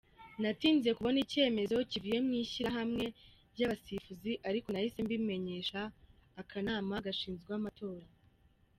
Natinze kubona icyemezo kivuye mu Ishyirahamwe ry’abasifuzi ariko nahise mbimenyesha Akanama gashinzwe amatora.